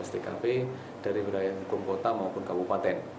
dua belas tkp dari budaya hukum kota maupun kabupaten